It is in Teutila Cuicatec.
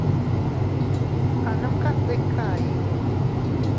A numka tika ii.